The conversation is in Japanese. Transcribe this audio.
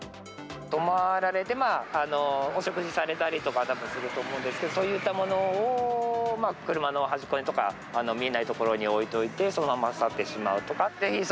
泊まられて、お食事されたりとか、たぶんすると思うんですけど、そういったものを車の端っことか、見えない所に置いといて、そのまま去ってしまうとか。